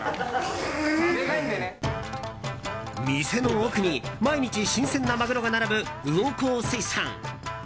店の奥に毎日新鮮なマグロが並ぶ魚幸水産。